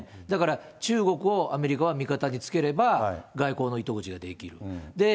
だから、中国をアメリカは味方につければ、外交の糸口ができる。